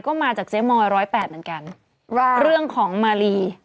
ก็มาจากเจมอย๑๐๘แล้วกันเรื่องของมาลี